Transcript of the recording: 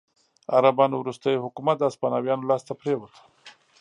عربانو وروستی حکومت د هسپانویانو لاسته پرېوت.